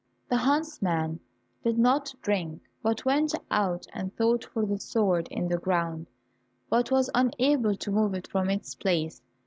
The huntsman did not drink, but went out and sought for the sword in the ground, but was unable to move it from its place.